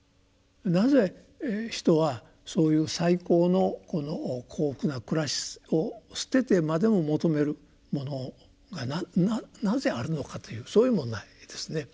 なぜ人はそういう最高の幸福な暮らしを捨ててまでも求めるものがなぜあるのかというそういう問題ですね。